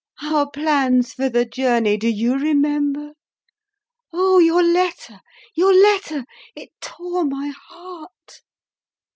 Eh! Our plans for the journey, do you remember? Oh, your letter! your letter! it tore my heart!